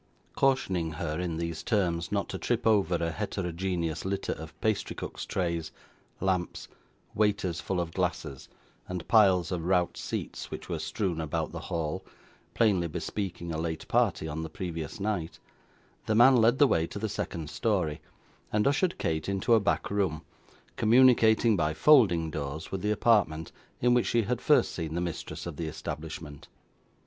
Cautioning her, in these terms, not to trip over a heterogeneous litter of pastry cook's trays, lamps, waiters full of glasses, and piles of rout seats which were strewn about the hall, plainly bespeaking a late party on the previous night, the man led the way to the second story, and ushered Kate into a back room, communicating by folding doors with the apartment in which she had first seen the mistress of the establishment.